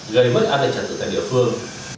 gây mất an lệnh trật tự tại địa phương